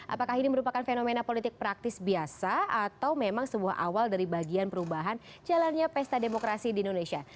apakah ini merupakan fenomena politik praktis biasa atau memang sebuah awal dari bagian perubahan jalannya pesta demokrasi di indonesia